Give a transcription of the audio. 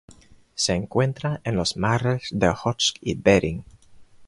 Se encuentra en los mares de Ojotsk y Bering.